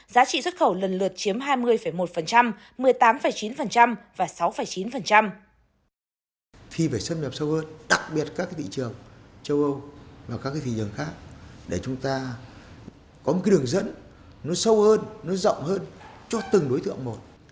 giá trị xuất khẩu lần lượt chiếm hai mươi năm